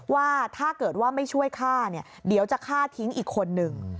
ว่าถ้าเกิดว่าไม่ช่วยฆ่าเนี่ยเดี๋ยวจะฆ่าทิ้งอีกคนนึง